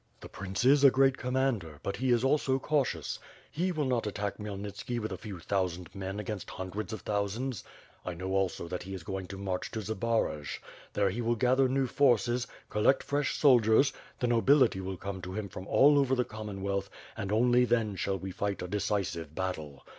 The prince is a great commander, but he is also cau tious. He will not attack Khmyelnitski with a few thousand men against hundreds of thousands. I know also that he is going to march to Zbaraj. There he will gather new forces, collect fresh soldiers, the nobility will come to him from all over the Commonwealth and only then shall we fight a de cisive battle.